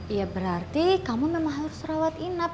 ya berarti kamu memang harus rawat inap